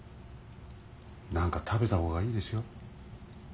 何か食べた方がいいですよ。